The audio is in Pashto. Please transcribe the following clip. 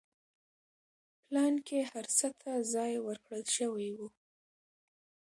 پلان کې هر څه ته ځای ورکړل شوی و.